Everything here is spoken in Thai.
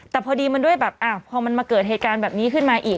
แต่พอดีมันด้วยแบบพอมันมาเกิดเหตุการณ์แบบนี้ขึ้นมาอีก